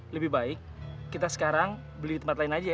lebih baik kita sekarang beli di tempat lain aja